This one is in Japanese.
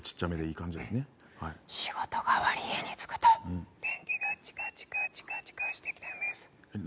仕事が終わり家に着くと電気がチカチカしてきたんです。